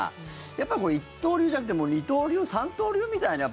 やっぱもう一刀流じゃなくてもう二刀流、三刀流みたいな。